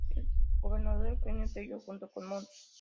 El gobernador Eugenio Tello junto con Mons.